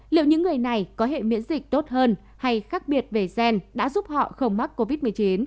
liệu những người này có hệ miễn dịch tốt hơn hay khác biệt về gen đã giúp họ không mắc covid một mươi chín